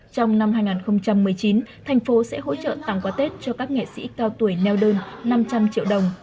trong năm hai nghìn một mươi chín thành phố sẽ hỗ trợ tặng quà tết cho các nghệ sĩ cao tuổi neo đơn năm trăm linh triệu đồng